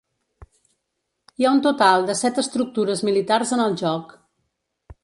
Hi ha un total de set estructures militars en el joc.